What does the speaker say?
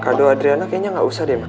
kado adriana kayaknya gak usah deh ma